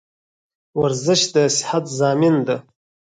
ورزش دصیحت زامین ده